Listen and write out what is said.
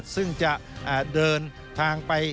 ส่วนต่างกระโบนการ